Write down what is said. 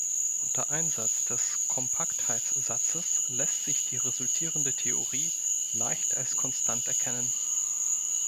Unter Einsatz des Kompaktheitssatzes lässt sich die resultierende Theorie leicht als konstant erkennen.